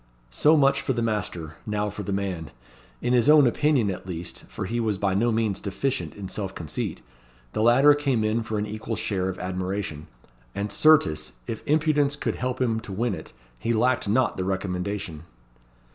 So much for the master: now for the man. In his own opinion, at least for he was by no means deficient in self conceit the latter came in for an equal share of admiration; and certes, if impudence could help him to win it, he lacked not the recommendation.